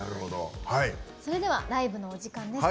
それではライブのお時間です。